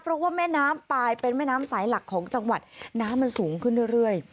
เพราะว่าแม่น้ำปลายเป็นแม่น้ำสายหลักของจังหวัดน้ำมันสูงขึ้นเรื่อย